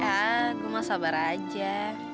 ya gue mau sabar aja